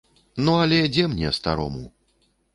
Ну але дзе мне, старому?